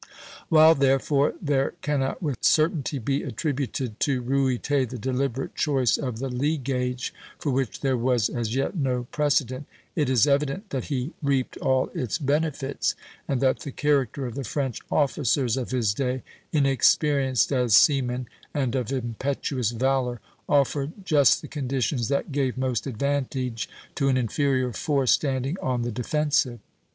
While therefore there cannot with certainty be attributed to Ruyter the deliberate choice of the lee gage, for which there was as yet no precedent, it is evident that he reaped all its benefits, and that the character of the French officers of his day, inexperienced as seamen and of impetuous valor, offered just the conditions that gave most advantage to an inferior force standing on the defensive.